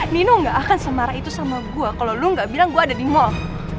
nino nggak akan semarah itu sama gue kalau lu gak bilang gue ada di mall